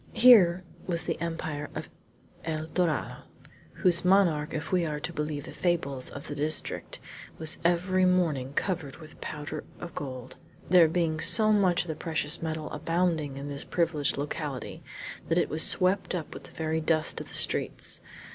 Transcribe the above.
Here was the Empire of El Dorado, whose monarch, if we are to believe the fables of the district, was every morning covered with powder of gold, there being so much of the precious metal abounding in this privileged locality that it was swept up with the very dust of the streets.